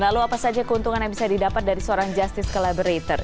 dan lalu apa saja keuntungan yang bisa didapat dari seorang justice collaborator